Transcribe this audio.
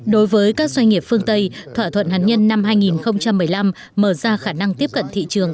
đối với các doanh nghiệp phương tây thỏa thuận hạt nhân năm hai nghìn một mươi năm mở ra khả năng tiếp cận thị trường